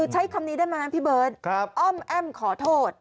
ใช้คำนี้ได้ไหมพี่เบิร์ตอ้อมแอ้มขอโทษ